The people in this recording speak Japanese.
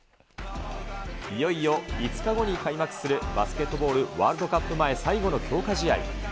いよいよ５日後に開幕するバスケットボールワールドカップ前最後の強化試合。